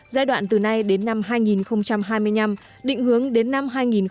giai đoạn từ nay đến năm hai nghìn hai mươi năm định hướng đến năm hai nghìn ba mươi